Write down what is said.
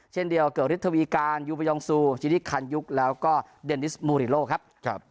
เช่นเดียวเกิริษฐวีการยูปยองซูชินิคคันยุคแล้วก็เดนิสมูฬิโลครับ